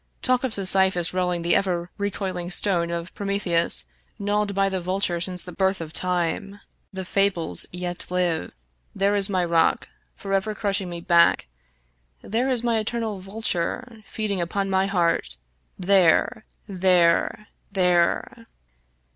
Talk of Sisyphus rolling the ever recoiling stone — of Pro metheus gnawed by the vulture since the birth of time. 13 Irish Mystery Stories The fables yet live. There is my rock, forever crushing me back ! there is my eternal vulture, feeding upon my heart ! There ! there I there